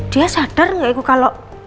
dia sadar ga ibu kalo